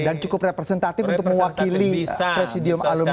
dan cukup representatif untuk mewakili presidium alumni ya